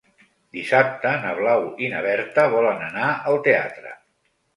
Dissabte na Blau i na Berta volen anar al teatre.